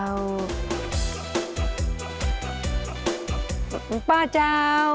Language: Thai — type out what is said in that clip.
เดี๋ยวดูซิว่าป้าอยู่ที่ไหนกันนะเจ้า